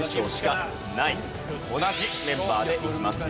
同じメンバーでいきますよ。